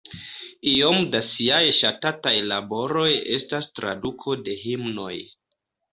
Iom da siaj ŝatataj laboroj estas traduko de himnoj.